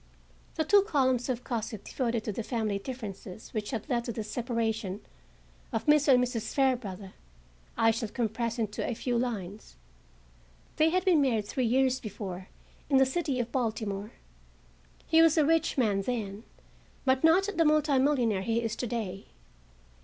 The two columns of gossip devoted to the family differences which had led to the separation of Mr. and Mrs. Fairbrother, I shall compress into a few lines. They had been married three years before in the city of Baltimore. He was a rich man then, but not the multimillionaire he is to day.